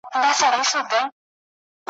پروت که پر ساحل یم که په غېږ کي د توپان یمه ,